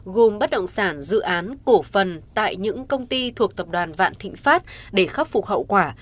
gồm bất động sản dự án cổ phần tại những công ty thuộc tập đoàn vạn thịnh pháp để khắc phục hậu quả